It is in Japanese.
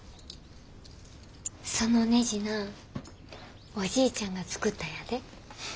そのねじなおじいちゃんが作ったんやで。